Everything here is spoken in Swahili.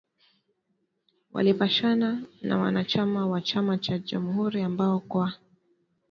Walipishana na wanachama wa chama cha jamhuri ambao kwa